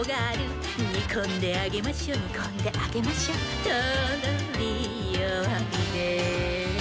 「にこんであげましょにこんであげましょ」「とろりよわびで」